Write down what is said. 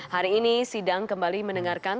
hari ini sidang kembali mendengarkan